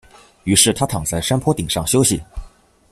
于是他躺在山坡顶上休息。